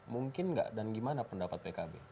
mungkin nggak dan gimana pendapat pkb